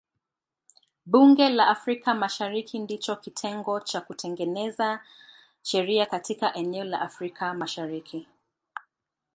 Bunge la Afrika Mashariki ndicho kitengo cha kutengeneza sheria katika eneo la Afrika Mashariki.